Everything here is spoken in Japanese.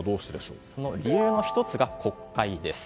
理由の１つが国会です。